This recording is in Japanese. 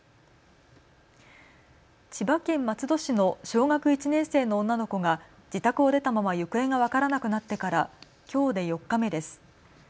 千葉県松戸市の小学１年生の女の子が自宅を出たまま行方が分からなくなってからきょうで４日目です。